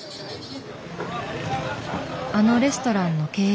あのレストランの経営者。